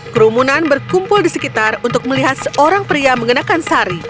kerumunan berkumpul di sekitar untuk melihat seorang pria mengenakan sari